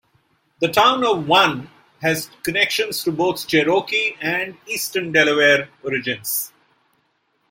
The town of Wann has connections to both Cherokee and Eastern Delaware origins.